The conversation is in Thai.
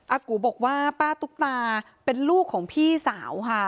กูบอกว่าป้าตุ๊กตาเป็นลูกของพี่สาวค่ะ